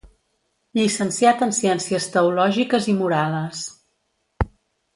Llicenciat en Ciències Teològiques i Morales.